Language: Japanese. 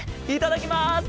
いただきます。